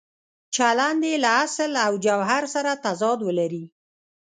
چلند یې له اصل او جوهر سره تضاد ولري.